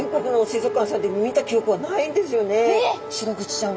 シログチちゃんは。